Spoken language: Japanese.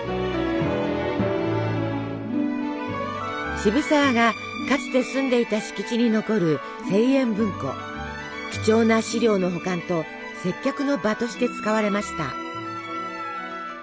渋沢がかつて住んでいた敷地に残る貴重な資料の保管と接客の場として使われました。